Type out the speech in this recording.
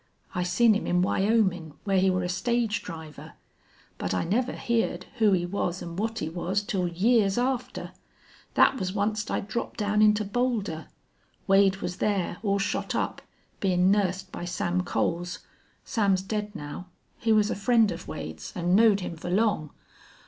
I seen him in Wyomin', whar he were a stage driver. But I never heerd who he was an' what he was till years after. Thet was onct I dropped down into Boulder. Wade was thar, all shot up, bein' nussed by Sam Coles. Sam's dead now. He was a friend of Wade's an' knowed him fer long.